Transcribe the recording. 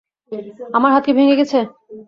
আমার হাত কি ভেঙ্গে গেছে?